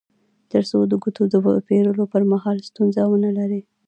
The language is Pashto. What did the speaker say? تر څو د توکو د پېرلو پر مهال ستونزه ونلري